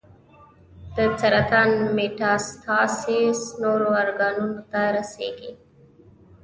د سرطان میټاسټاسس نورو ارګانونو ته رسېږي.